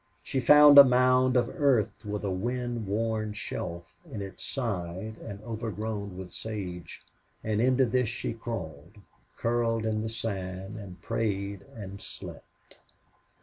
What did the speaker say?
She found a mound of earth with a wind worn shelf in its side and overgrown with sage; and into this she crawled, curled in the sand and prayed and slept.